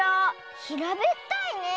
ひらべったいねえ。